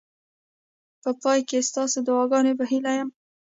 په پای کې ستاسو د دعاګانو په هیله یم.